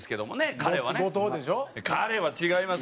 彼は違います